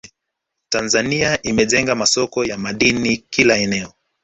Tanzania imejenga masoko ya madini kila eneo